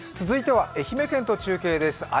続いては愛媛県と中継です。